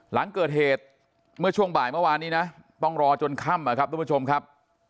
หลังเกิดเหตุเมื่อช่วงบ่ายเมื่อวานนี้นะต้องรอจนค่ำนะครับทุกผู้ชมครับ